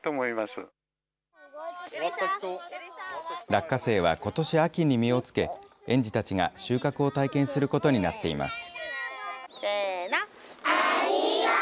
落花生はことし秋に実をつけ、園児たちが収穫を体験することになっています。